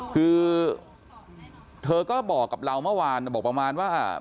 คือเธอก็บอกกับเราเมื่อวานบอกประมาณว่า